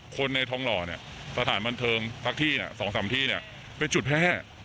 คนในทองหล่อเนี่ยสถานบันเทิงทักที่เนี่ยสองสามที่เนี่ยเป็นจุดแพ้